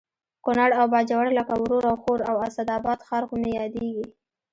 کونړ او باجوړ لکه ورور او خور او اسداباد ښار خو مې یادېږي